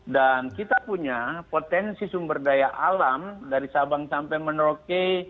dan kita punya potensi sumber daya alam dari sabang sampai menroke